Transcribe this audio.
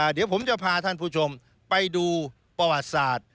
เดี๋ยวผมจะพาท่านผู้ชมไปดูประวัติศาสตร์